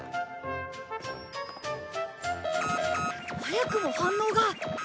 早くも反応が！